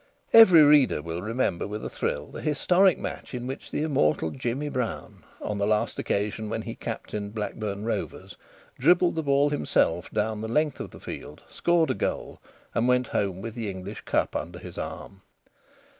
Every reader will remember with a thrill the historic match in which the immortal Jimmy Brown, on the last occasion when he captained Blackburn Rovers, dribbled the ball himself down the length of the field, scored a goal, and went home with the English Cup under his arm.